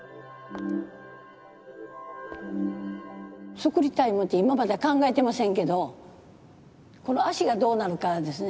作りたいものって今まで考えてませんけどこの足がどうなるかですね。